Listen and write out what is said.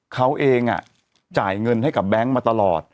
เขาเองจ่ายเงินให้กับแบงค์มาตลอด